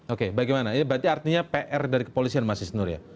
oke bagaimana artinya pr dari kepolisian masih senur ya